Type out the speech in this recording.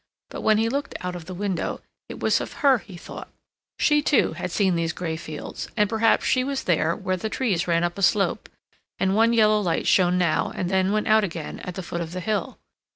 But when he looked out of the window, it was of her he thought; she, too, had seen these gray fields, and, perhaps, she was there where the trees ran up a slope, and one yellow light shone now, and then went out again, at the foot of the hill.